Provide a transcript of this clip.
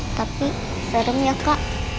tapi serem ya kak